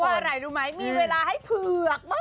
เพราะอะไรรู้ไหมมีเวลาให้เผือกมาก